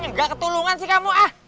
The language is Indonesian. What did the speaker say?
enggak ketulungan sih kamu ah